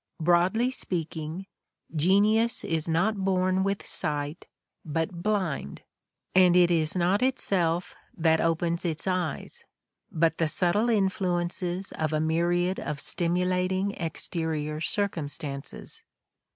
Broadly speaking, genius is not born with sight but blind; and it is not itself that opens its eyes, but the subtle influences of a myriad of stimulating exterior circumstances."